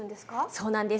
そうなんです。